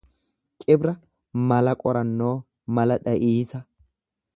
Cibra mala qorannoo, mala dha'iisa.